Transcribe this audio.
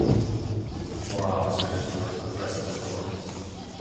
More officers were progressively appointed.